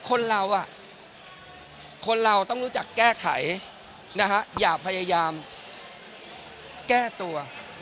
คนเราคนเราต้องรู้จักแก้ไขอย่าพยายามแก้ตัว